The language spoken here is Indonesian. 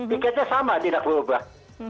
tiketnya sama tidak berubah